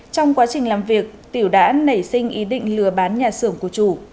trong quá trình làm việc tiểu đã nảy sinh ý định lừa bán nhà xưởng của chủ